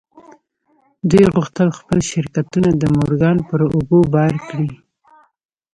دوی غوښتل خپل شرکتونه د مورګان پر اوږو بار کړي.